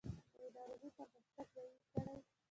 که یې ناروغي پرمختګ ونه کړي.